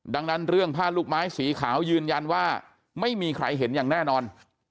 ดังนั้นเรื่องผ้าลูกไม้สีขาวยืนยันว่าไม่มีใครเห็นอย่างแน่นอน